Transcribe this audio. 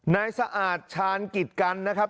นายสะอาดชาญกิจกันนะครับ